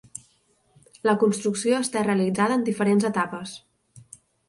La construcció està realitzada en diferents etapes.